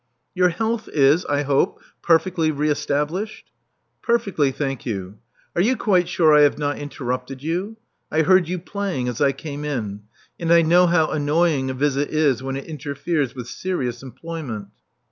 Your health is, I hope, perfectly re established?" Perfectly, thank you. Are you quite sure I have not interrupted you? I heard you playing as I came in ; and I know how annoying a visit is when it inter feres with serious employment."